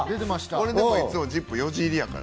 俺、いつも『ＺＩＰ！』４時入りやから。